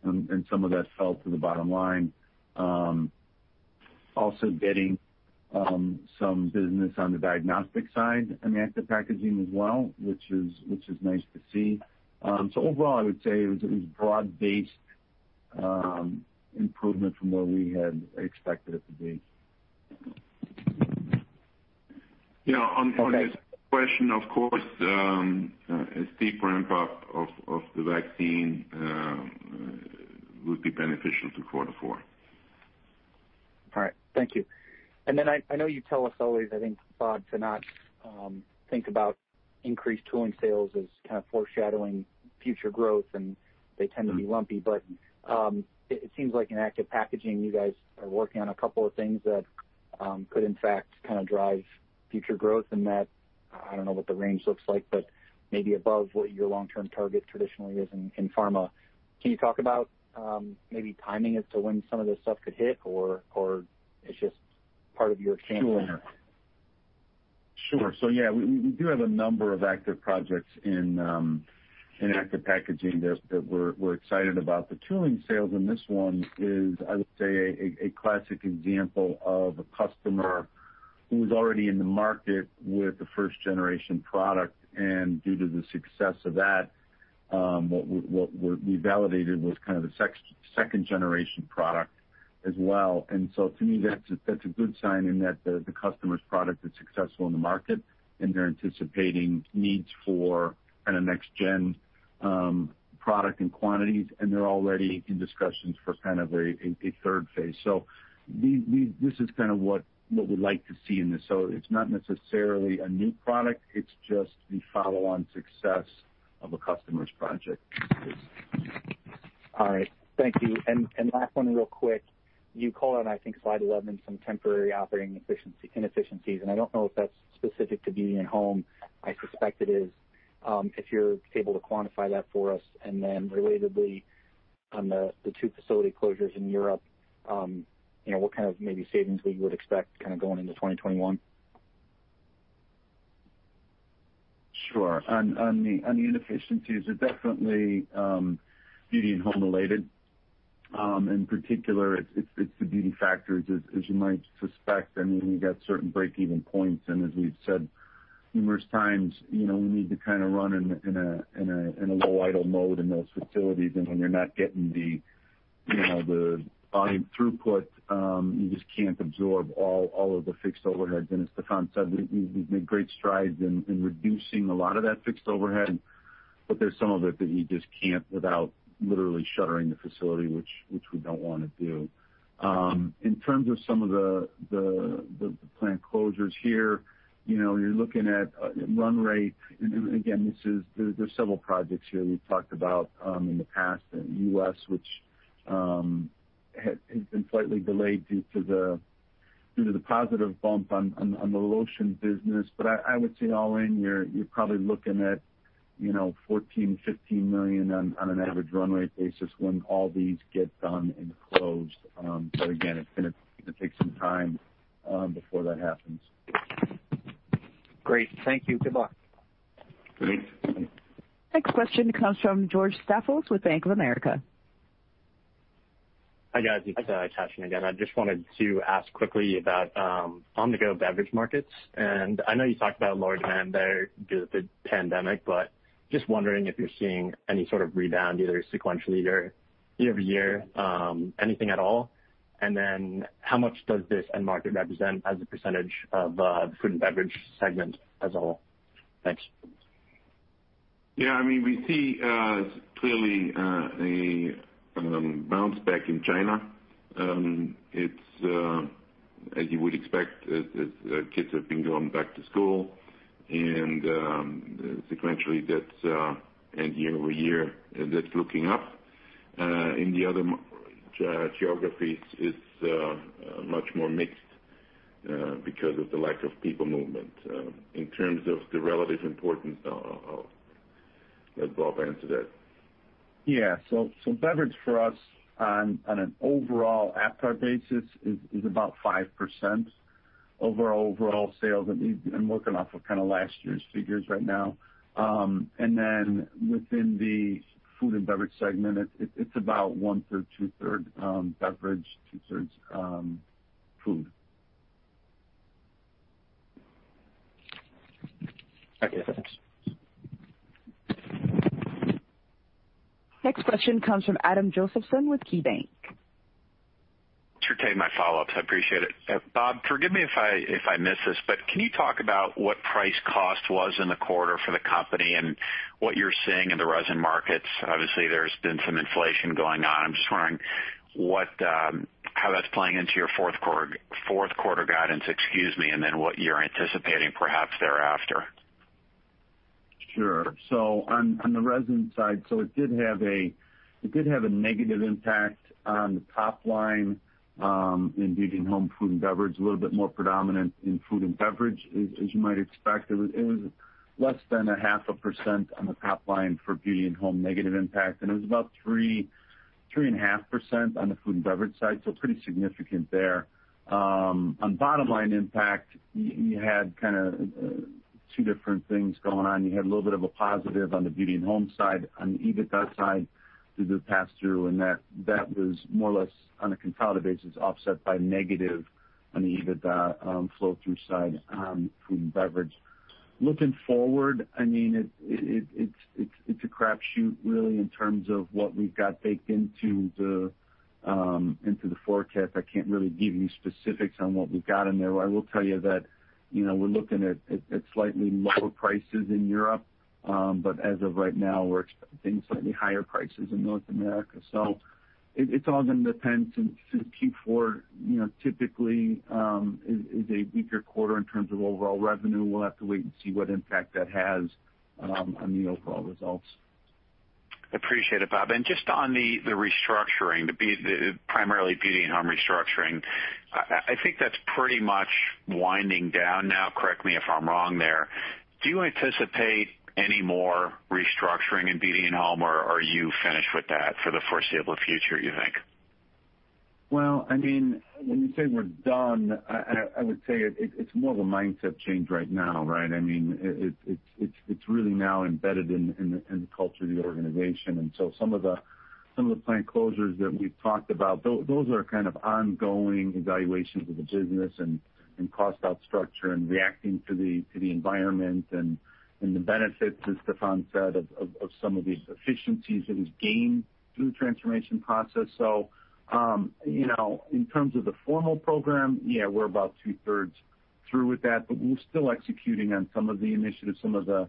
some of that fell to the bottom line. Getting some business on the diagnostic side in the active packaging as well, which is nice to see. Overall, I would say it was broad-based improvement from where we had expected it to be. On Gabe's question, of course, a steeper impact of the vaccine would be beneficial to quarter four. All right. Thank you. I know you tell us always, I think, Bob, to not think about increased tooling sales as foreshadowing future growth, and they tend to be lumpy. It seems like in active packaging, you guys are working on a couple of things that could in fact drive future growth in that, I don't know what the range looks like, but maybe above what your long-term target traditionally is in pharma. Can you talk about maybe timing as to when some of this stuff could hit or it's just part of your expansion? Sure. Yeah, we do have a number of active projects in active packaging that we're excited about. The tooling sales in this one is, I would say, a classic example of a customer who was already in the market with the first-generation product. Due to the success of that, what we validated was the second-generation product as well. To me, that's a good sign in that the customer's product is successful in the market, and they're anticipating needs for a next-gen product and quantities, and they're already in discussions for a third phase. This is what we like to see in this. It's not necessarily a new product; it's just the follow-on success of a customer's project. All right. Thank you. Last one real quick. You call out, I think slide 11, some temporary operating inefficiencies, and I don't know if that's specific to beauty and home. I suspect it is. If you're able to quantify that for us. Then relatedly, on the two facility closures in Europe, what kind of maybe savings we would expect going into 2021? Sure. On the inefficiencies, they're definitely beauty and home related. In particular, it's the beauty factors, as you might suspect. You got certain break-even points, as we've said numerous times, we need to run in a low idle mode in those facilities. When you're not getting the volume throughput, you just can't absorb all of the fixed overheads. As Stephan said, we've made great strides in reducing a lot of that fixed overhead, but there's some of it that you just can't without literally shuttering the facility, which we don't want to do. In terms of some of the plant closures here, you're looking at run rate. Again, there's several projects here we've talked about in the past in the U.S., which has been slightly delayed due to the positive bump on the lotion business. I would say all in, you're probably looking at $14 million-$15 million on an average run rate basis when all these get done and closed. Again, it's going to take some time before that happens. Great. Thank you. Goodbye. Great. Next question comes from George Staphos with Bank of America. Hi, guys. It's Cashen again. I just wanted to ask quickly about on-the-go beverage markets. I know you talked about a large demand there due to the pandemic, just wondering if you're seeing any sort of rebound, either sequentially or year-over-year, anything at all. How much does this end market represent as a percentage of the food and beverage segment as a whole? Thanks. Yeah, we see clearly a bounce back in China. It's as you would expect, as kids have been going back to school and sequentially and year-over-year, that's looking up. In the other geographies, it's much more mixed, because of the lack of people movement. In terms of the relative importance, I'll let Bob answer that. Yeah. Beverage for us on an overall Aptar basis is about 5% of our overall sales. I'm working off of last year's figures right now. Within the food and beverage segment, it's about 1/3, 2/3 beverage, 2/3 food. Okay. Thanks. Next question comes from Adam Josephson with KeyBanc. Sure. Taking my follow-ups. I appreciate it. Bob, forgive me if I miss this, but can you talk about what price cost was in the quarter for the company and what you're seeing in the resin markets? Obviously, there's been some inflation going on. I'm just wondering how that's playing into your fourth quarter guidance, excuse me, and then what you're anticipating perhaps thereafter. Sure. On the resin side, it did have a negative impact on the top line in Beauty and Home, Food and Beverage, a little bit more predominant in Food and Beverage, as you might expect. It was less than 0.5% on the top line for Beauty and Home negative impact, and it was about 3.5% on the Food and Beverage side. Pretty significant there. On bottom line impact, you had two different things going on. You had a little bit of a positive on the Beauty and Home side, on the EBITDA side through the pass-through, and that was more or less on a consolidated basis, offset by negative on the EBITDA flow through side Food and Beverage. Looking forward, it's a crapshoot really in terms of what we've got baked into the forecast. I can't really give you specifics on what we've got in there. What I will tell you that we're looking at slightly lower prices in Europe. As of right now, we're expecting slightly higher prices in North America. It's all going to depend since Q4 typically is a weaker quarter in terms of overall revenue. We'll have to wait and see what impact that has on the overall results. Appreciate it, Bob. Just on the restructuring, primarily Beauty and Home restructuring, I think that's pretty much winding down now. Correct me if I'm wrong there. Do you anticipate any more restructuring in Beauty and Home, or are you finished with that for the foreseeable future, you think? Well, when you say we're done, I would say it's more of a mindset change right now, right? Some of the plant closures that we've talked about, those are kind of ongoing evaluations of the business and cost out structure and reacting to the environment and the benefits, as Stephan said, of some of these efficiencies that he's gained through the transformation process. In terms of the formal program, yeah, we're about 2/3 through with that, but we're still executing on some of the initiatives, some of the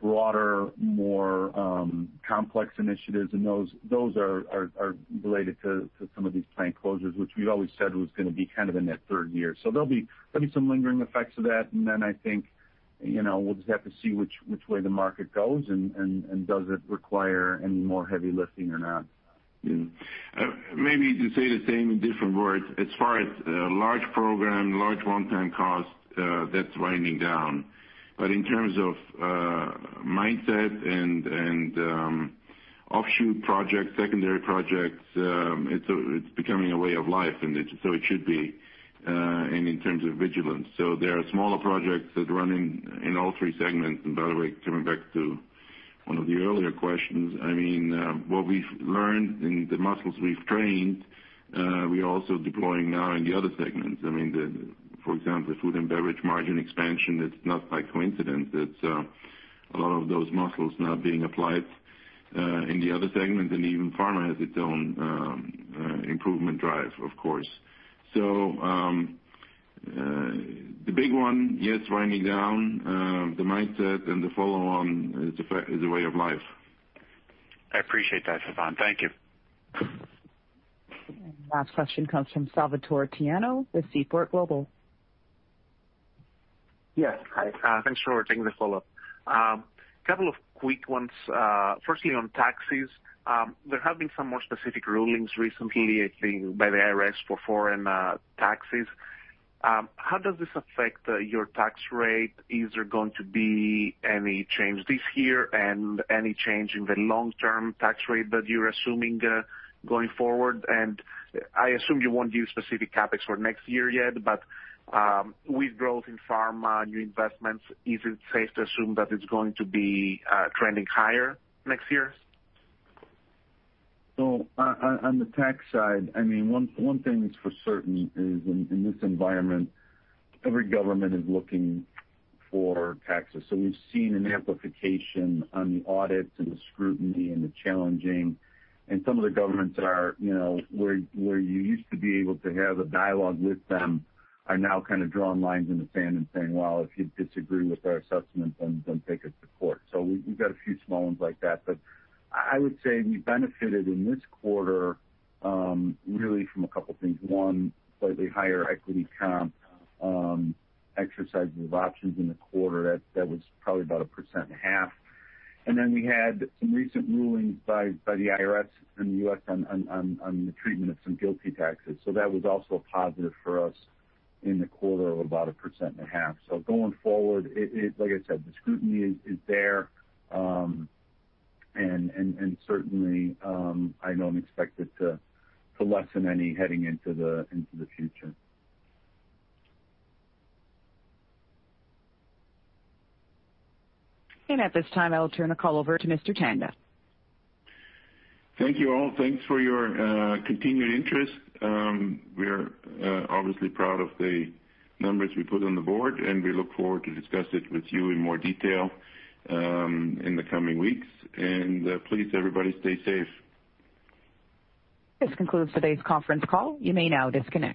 broader, more complex initiatives. Those are related to some of these plant closures, which we always said was going to be in that third year. There'll be some lingering effects of that, and then I think we'll just have to see which way the market goes and does it require any more heavy lifting or not. Maybe to say the same in different words, as far as large program, large one-time cost, that's winding down. In terms of mindset and offshoot projects, secondary projects, it's becoming a way of life, and so it should be, and in terms of vigilance. There are smaller projects that run in all three segments. By the way, coming back to one of the earlier questions, what we've learned and the muscles we've trained, we are also deploying now in the other segments. For example, the Food and Beverage margin expansion, it's not by coincidence that a lot of those muscles now being applied in the other segment and even Pharma has its own improvement drive, of course. The big one, yes, winding down, the mindset and the follow-on is a way of life. I appreciate that, Stephan. Thank you. Last question comes from Salvator Tiano with Seaport Global. Yes. Hi. Thanks for taking the follow-up. Couple of quick ones. Firstly, on taxes, there have been some more specific rulings recently, I think by the IRS for foreign taxes. How does this affect your tax rate? Is there going to be any change this year and any change in the long-term tax rate that you're assuming going forward? I assume you won't give specific CapEx for next year yet, but with growth in pharma, new investments, is it safe to assume that it's going to be trending higher next year? On the tax side, one thing that's for certain is in this environment, every government is looking for taxes. We've seen an amplification on the audits and the scrutiny and the challenging, and some of the governments where you used to be able to have a dialogue with them, are now kind of drawing lines in the sand and saying, "Well, if you disagree with our assessment, then take us to court." We've got a few small ones like that. I would say we benefited in this quarter really from a couple things. One, slightly higher equity comp, exercise of options in the quarter. That was probably about 1.5%. Then we had some recent rulings by the IRS in the U.S. on the treatment of some GILTI taxes. That was also a positive for us in the quarter of about a percent and a half. Going forward, like I said, the scrutiny is there, and certainly, I don't expect it to lessen any heading into the future. At this time, I will turn the call over to Mr. Tanda. Thank you all. Thanks for your continued interest. We're obviously proud of the numbers we put on the board. We look forward to discuss it with you in more detail in the coming weeks. Please, everybody, stay safe. This concludes today's conference call. You may now disconnect.